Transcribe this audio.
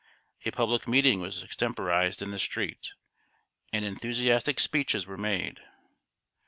A public meeting was extemporized in the street, and enthusiastic speeches were made.